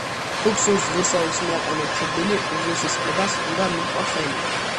თუ გსურს ღირსეულს მიაყენო ჩრდილი, უღირსის ქებას უნდა მიჰყო ხელი.